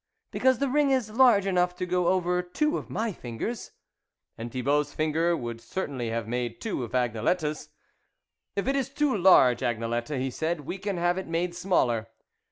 " Because the ring is large enough to go over two of my fingers." And Thi bault's finger would certainly have made two of Agnelettes. " If it is too large, Agnelette," he said, 11 we can have it made smaller."